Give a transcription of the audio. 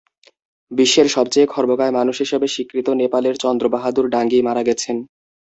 বিশ্বের সবচেয়ে খর্বকায় মানুষ হিসেবে স্বীকৃত নেপালের চন্দ্র বাহাদুর ডাঙ্গি মারা গেছেন।